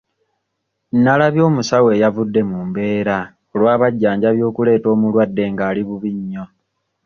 Nalabye omusawo eyavudde mu mbeera olw'abajjanjabi okuleeta omulwadde ng'ali bubi nnyo.